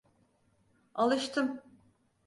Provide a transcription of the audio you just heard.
Alıştım.